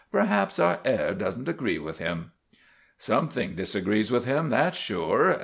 Perhaps our air does n't agree with him." ' Something disagrees with him, that's sure.